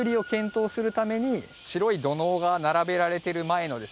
白い土のうが並べられてる前のですね